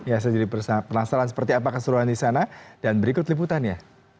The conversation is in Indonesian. ya saya jadi penasaran seperti apa keseruan di sana dan berikut liputannya